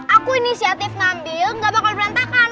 aku inisiatif ngambil gak bakal berantakan